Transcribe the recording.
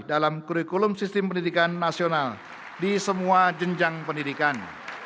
dalam kurikulum sistem pendidikan nasional di semua jenjang pendidikan